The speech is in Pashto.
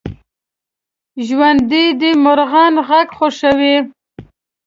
ژوندي د مرغیو غږ خوښوي